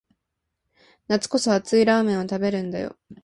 夏こそ熱いラーメンを食べるんだよ